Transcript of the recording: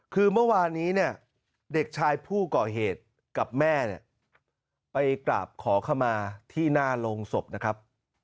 คือเมื่อวานนี้เนี่ยเด็กชายผู้ก่อเหตุกับแม่เนี่ยไปกราบขอขมาที่หน้าโรงศพนะครับ